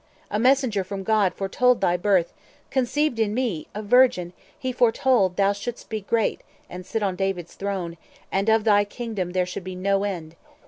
A messenger from God foretold thy birth Conceived in me a virgin; he foretold Thou shouldst be great, and sit on David's throne, 240 And of thy kingdom there should be no end.